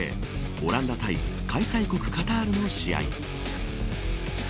オランダ対開催国カタールの試合